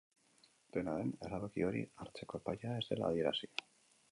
Dena den, erabaki hori hartzeko epailea ez dela adierazi.